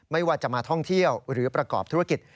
ไม่ว่าจะมาท่องเที่ยวหรือประกอบธุรกิจ